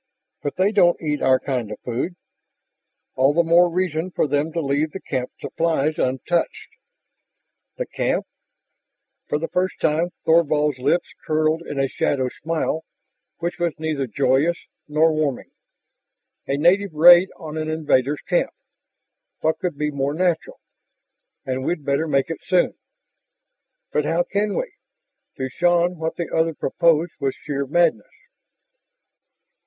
"But they don't eat our kind of food...." "All the more reason for them to leave the camp supplies untouched." "The camp?" For the first time Thorvald's lips curved in a shadow smile which was neither joyous nor warming. "A native raid on an invaders' camp. What could be more natural? And we'd better make it soon." "But how can we?" To Shann what the other proposed was sheer madness.